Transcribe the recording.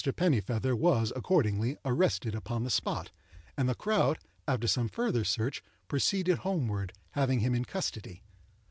Pennifeather was, accordingly, arrested upon the spot, and the crowd, after some further search, proceeded homeward, having him in custody.